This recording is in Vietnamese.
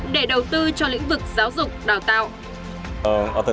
để đầu tư cho lĩnh vực giáo dục đào tạo